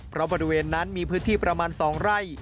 เพราะบริเวณนั้นมีพื้นที่ประมาณ๒ไร่